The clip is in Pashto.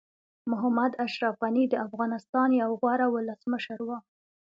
محمد اشرف غني د افغانستان یو غوره ولسمشر وو.